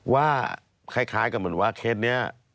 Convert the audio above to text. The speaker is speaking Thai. ว่าคล้ายกับเหมือนว่าเคสนี้